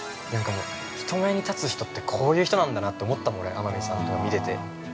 ◆人目に立つ人ってこういう人なんだなって思ったもん、俺、天海さんとか見てて。